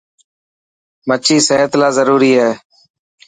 مڇي سحت لاءِ ضروري آهي.